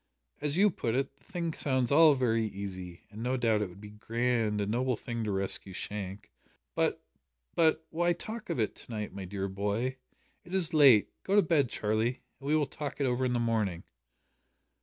"As you put it, the thing sounds all very easy, and no doubt it would be a grand, a noble thing to rescue Shank but but, why talk of it to night, my dear boy? It is late. Go to bed, Charlie, and we will talk it over in the morning."